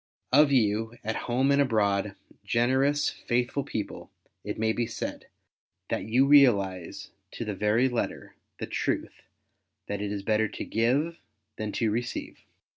Of you, at home and abroad, generous, faithful people, it may be said, that you realize to the very letter the truth that it is better to give than to receive.